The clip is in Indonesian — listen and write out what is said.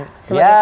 ya kalau dilihat